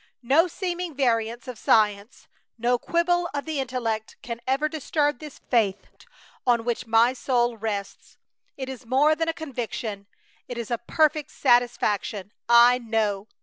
No seeming variance of science, no quibble of the intellect, can ever disturb this faith on which my soul rests. It is more than a conviction; it is a perfect satisfaction! I KNOW!